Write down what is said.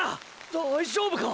大丈夫か